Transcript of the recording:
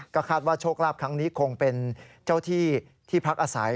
ก็คาดว่าโชคลาภครั้งนี้คงเป็นเจ้าที่ที่พักอาศัย